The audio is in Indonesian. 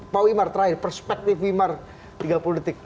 pak wimar terakhir perspektif wimar tiga puluh detik